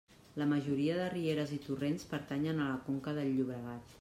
La majoria de rieres i torrents pertanyen a la conca del Llobregat.